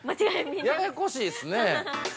◆ややこしいですね。